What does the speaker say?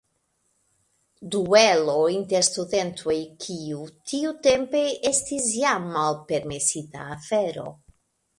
Duelo inter studentoj kiu tiutempe estis jam malpermesita afero.